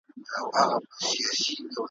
چي تر څو دا جهالت وي چي تر څو همدغه قام وي `